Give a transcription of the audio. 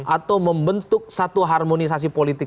atau membentuk satu harmonisasi politik